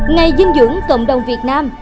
ngày dinh dưỡng cộng đồng việt nam